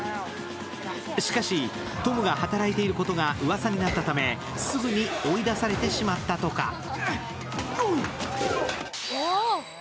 しかし、トムが働いていることがうわさになったため、すぐに追い出されてしまったとか。